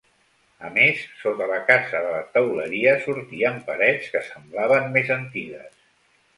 A més, sota la casa de la teuleria sortien parets que semblaven més antigues.